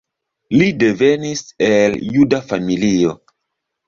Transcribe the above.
Li devenis el juda familio.